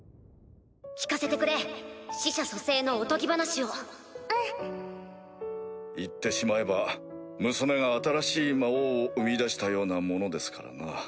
聞かせてくれ死者蘇生のおとぎ話をうん言ってしまえば娘が新しい魔王を生み出したようなものですからな。